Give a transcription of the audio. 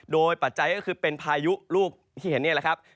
โดยปัจจัยก็คือเป็นพายุลูกที่เห็นนี่แหละครับ